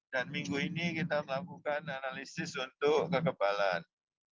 dan minggu ini kita melakukan analisis untuk kekebalan